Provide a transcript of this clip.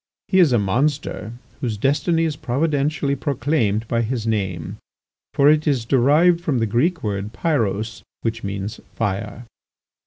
He is a monster whose destiny is providentially proclaimed by his name, for it is derived from the Greek word, pyros, which means fire.